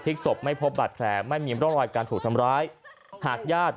ศพไม่พบบาดแผลไม่มีร่องรอยการถูกทำร้ายหากญาติ